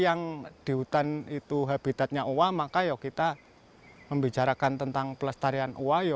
yang dihutan itu habitatnya uang maka yo kita membicarakan tentang pelestarian wayo